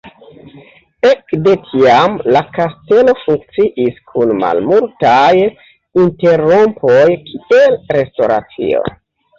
Ekde tiam la kastelo funkciis, kun malmultaj interrompoj, kiel restoracio.